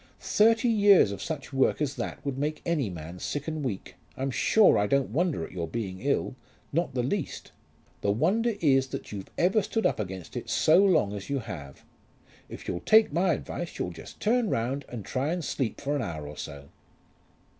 Thirty years of such work as that would make any man sick and weak. I'm sure I don't wonder at your being ill; not the least. The wonder is that you've ever stood up against it so long as you have. If you'll take my advice you'll just turn round and try to sleep for an hour or so."